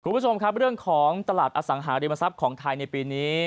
คุณผู้ชมครับเรื่องของตลาดอสังหาริมทรัพย์ของไทยในปีนี้